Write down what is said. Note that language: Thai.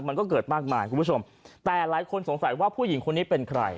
มันก็เกิดมากมายคุณผู้ชมแต่หลายคนสงสัยว่าผู้หญิงคนนี้เป็นใคร